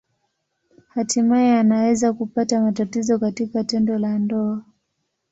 Hatimaye anaweza kupata matatizo katika tendo la ndoa.